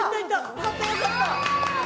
よかったよかった。